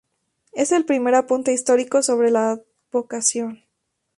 Es el primer apunte histórico sobre la advocación.